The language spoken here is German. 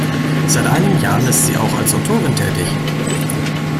Seit einigen Jahren ist sie auch als Autorin tätig.